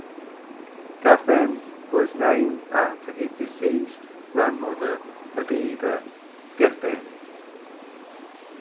Geffen was named after his deceased grandmother, Aviva Geffen.